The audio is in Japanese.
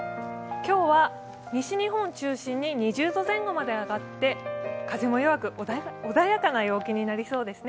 今日は西日本を中心に２０度前後まで上がって風も弱く穏やかな陽気になりそうですね。